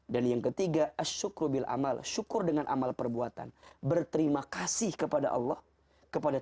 dan yang ketiga asyukru bil amal syukur dengan amal perbuatan berterima kasih kepada allah kepada